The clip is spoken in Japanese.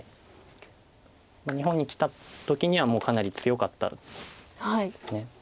日本に来た時にはもうかなり強かったんです。